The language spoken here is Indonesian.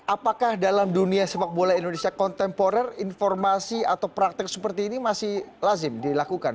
apakah dalam dunia sepak bola indonesia kontemporer informasi atau praktek seperti ini masih lazim dilakukan